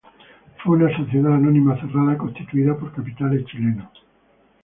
Fue una sociedad anónima cerrada constituida por capitales chilenos.